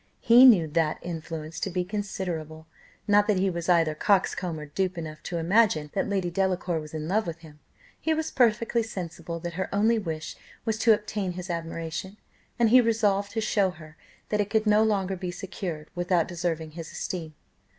He knew that influence to be considerable: not that he was either coxcomb or dupe enough to imagine that Lady Delacour was in love with him; he was perfectly sensible that her only wish was to obtain his admiration, and he resolved to show her that it could no longer be secured without deserving his esteem.